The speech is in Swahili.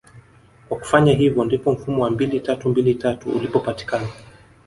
kwa kufanya hivyo ndipo mfumo wa mbili tatu mbili tatu ulipopatikana